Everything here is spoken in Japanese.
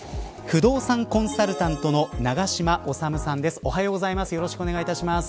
不動産コンサルタントの長嶋修さんです。